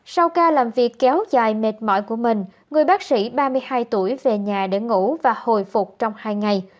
sau ca làm việc kéo dài mệt mỏi của mình người bác sĩ ba mươi hai tuổi về nhà để ngủ và hồi phục trong hai ngày